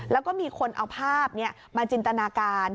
แล้วก็มีคนเอาภาพมาจินตนาการ